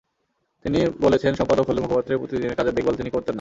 তিনি বলেছেন, সম্পাদক হলেও মুখপাত্রের প্রতিদিনের কাজের দেখভাল তিনি করতেন না।